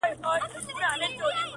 اورنګ زېب هم محتسب وو هم سلطان وو!.